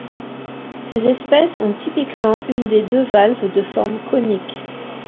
Ces espèces ont typiquement une des deux valves de forme conique.